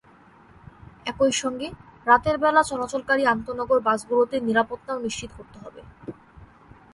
একই সঙ্গে রাতের বেলা চলাচলকারী আন্তনগর বাসগুলোতে নিরাপত্তাও নিশ্চিত করতে হবে।